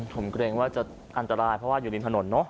ผมก็เรียกว่าจะอันตรายเพราะว่าอยู่ดินถนนเนาะ